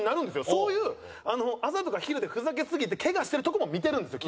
そういう朝とか昼でふざけすぎてケガしてるとこも見てるんですよ